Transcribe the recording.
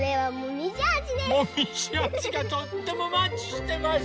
もみじあじがとってもマッチしてます。